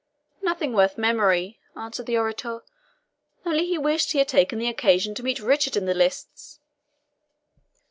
"Nothing worth memory," answered the orator; "only he wished he had taken the occasion to meet Richard in the lists."